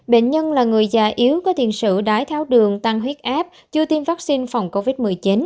bệnh nhân là người già yếu có tiền sử đái tháo đường tăng huyết áp chưa tiêm vaccine phòng covid một mươi chín